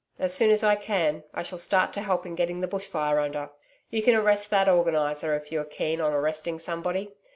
As soon as I can, I shall start to help in getting the bush fire under. You can arrest that Organiser if you are keen on arresting somebody.